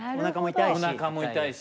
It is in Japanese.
おなかも痛いし。